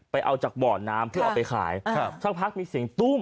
ไปเอาจากบ่อน้ำเพื่อเอาไปขายครับสักพักมีเสียงตุ้ม